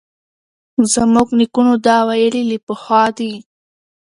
زموږ نیکونو دا ویلي له پخوا دي